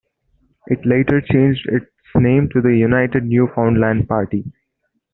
It later changed its name to the United Newfoundland Party.